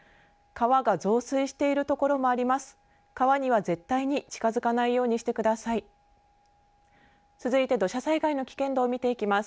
川が増水している所もあります。